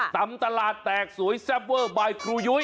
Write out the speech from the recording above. ตำตลาดแตกสวยแซ่บเวอร์บายครูยุ้ย